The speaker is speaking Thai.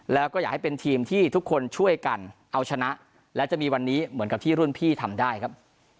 แล้วก็อยากให้เป็นทีมที่ทุกคนช่วยกันเอาชนะและจะมีวันนี้เหมือนกับที่รุ่นพี่ทำได้ครับ